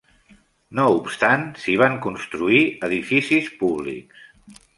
No obstant, s'hi van construir edificis públics.